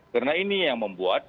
karena ini yang membuat